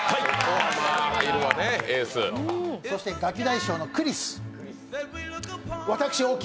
そしてガキ大将のクリス、私・大木。